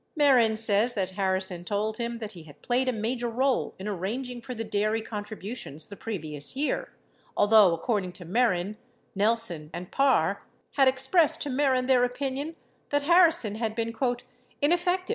Mehren says that Harrison told him that he had played a major role in arranging for the dairy con tributions the previous year, although, according to Mehren, Nelson, and Parr had expressed to Mehren their opinion that Harrison had been "ineffective" with respect to those contributions.